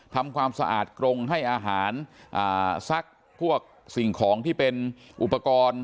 ทำความสะอาดกรงให้อาหารซักพวกสิ่งของที่เป็นอุปกรณ์